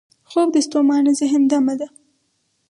خوب د ستومانه ذهن دمه ده